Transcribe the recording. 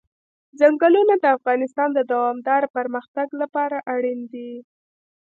ځنګلونه د افغانستان د دوامداره پرمختګ لپاره اړین دي.